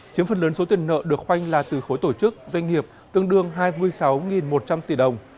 chiếm phần lớn số tiền nợ được khoanh là từ khối tổ chức doanh nghiệp tương đương hai mươi sáu một trăm linh tỷ đồng